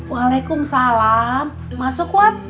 waalaikumsalam masuk wat